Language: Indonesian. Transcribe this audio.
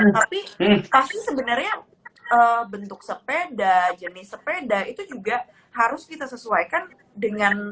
tapi pasti sebenarnya bentuk sepeda jenis sepeda itu juga harus kita sesuaikan dengan